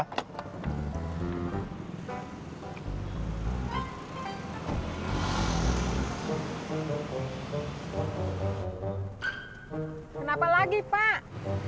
kenapa lagi pak